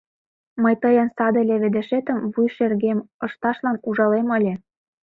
Мый тыйын саде леведышетым вуй шергем ышташлан ужалем ыле...